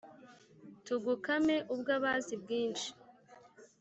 tugukame ubwabazi bwinshi